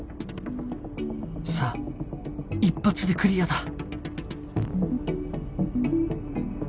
さあ一発でクリアだ